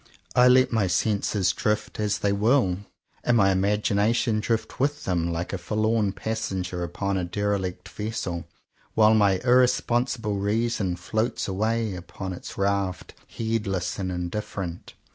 I let my senses drift as they will, and my 165 CONFESSIONS OF TWO BROTHERS imagination drift with them Hke a forlorn passenger upon a dereUct vessel; while my irresponsible reason floats away upon its raft, heedless and indifferent.